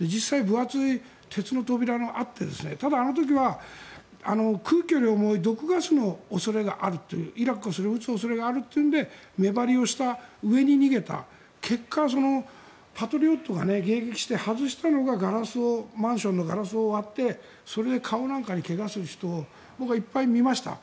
実際分厚い鉄の扉があってただ、あの時は、空気より重い毒ガスの恐れがあるってイラクが撃つ恐れがあるということで目張りをした、上に逃げたそのパトリオットが迎撃して、外したのがマンションのガラスを割って顔なんかに怪我をする人を僕はいっぱい見ました。